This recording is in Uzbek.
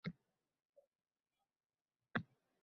Anhorlarimizdan to‘libtoshib suvlar oqadi